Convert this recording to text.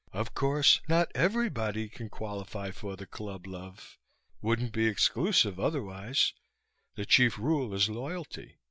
"Of course, not everybody can qualify for the club, love. Wouldn't be exclusive otherwise. The chief rule is loyalty.